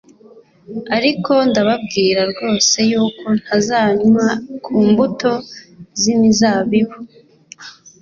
Ariko ndababwira rwose yuko ntazanywa ku mbuto z'imizabibu,